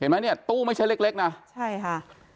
ไหมเนี่ยตู้ไม่ใช่เล็กนะใช่ค่ะ